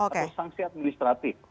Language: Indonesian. atau sanksi administratif